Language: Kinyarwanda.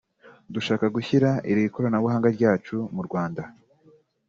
Dushaka gushyira iri koranabuhanga ryacu mu Rwanda